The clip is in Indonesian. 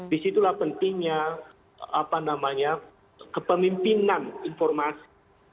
di situlah pentingnya apa namanya kepemimpinan informasi